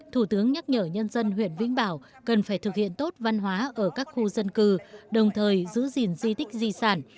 thủ tướng nhắc nhở nhân dân huyện vĩnh bảo cần phải thực hiện tốt văn hóa ở các khu dân cư đồng thời giữ gìn di tích di sản